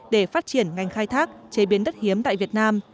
để phát triển ngành khai thác chế biến đất hiếm tại việt nam